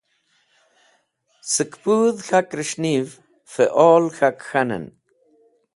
Sẽk pũdh k̃hakrẽs̃h nev fẽol k̃hak k̃hanẽn.